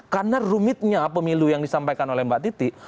karena rumitnya pemilu yang disampaikan oleh mbak titi